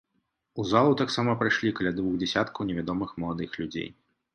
У залу таксама прайшлі каля двух дзясяткаў невядомых маладых людзей.